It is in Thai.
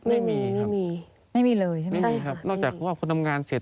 ไม่มีไม่มีเลยใช่ไหมไม่มีครับนอกจากว่าพอทำงานเสร็จ